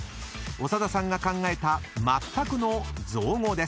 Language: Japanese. ［長田さんが考えたまったくの造語です］